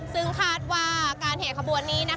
ซึ่งคาดว่าการแห่ขบวนนี้